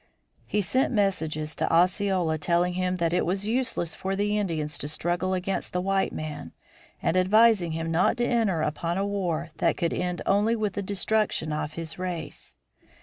He sent messages to Osceola telling him that it was useless for the Indians to struggle against the white man and advising him not to enter upon a war that could end only with the destruction of his race.